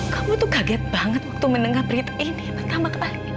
kamu tuh kaget banget waktu mendengar berita ini pertama kali